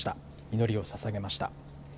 祈りをささげました。